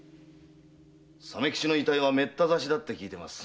鮫吉の遺体はめった刺しだって聞いてます。